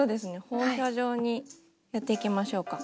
放射状にやっていきましょうか。